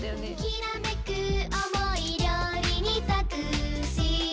「きらめく思い料理にたくして」